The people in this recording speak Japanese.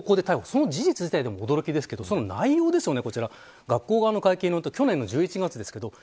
その事実自体も驚きですけどその内容ですよね。